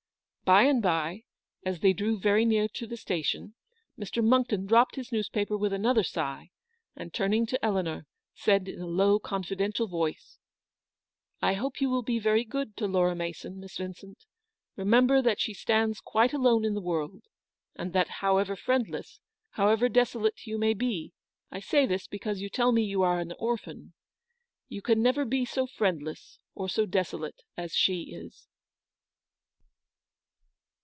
By and by, as they drew very near to the station, Mr. Monckton dropped his newspaper with another sigh, and turning to Eleanor, said, in a low, confidential voice :" I hope you will be very good to Laura Mason, Miss Vincent. Remember that she stands quite alone in the world; and that however friendless, however desolate you may be — I say this because you tell me you are an orphan — you can never be so friendless or so desolate as she is."